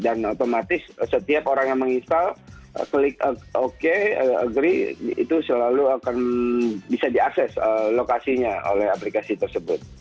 dan otomatis setiap orang yang menginstal klik ok agree itu selalu akan bisa diakses lokasinya oleh aplikasi tersebut